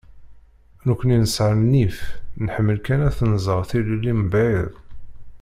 Nekkni nesɛa nnif, nḥemmel kan ad tnẓer tilelli mebɛid.